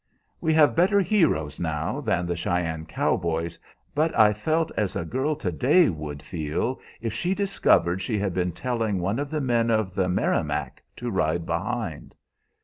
"We have better heroes now than the Cheyenne cowboys, but I felt as a girl to day would feel if she discovered she had been telling one of the men of the Merrimac to ride behind!"